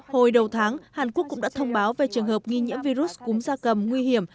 hồi đầu tháng hàn quốc cũng đã thông báo về trường hợp nghi nhiễm virus cúm da cầm nguy hiểm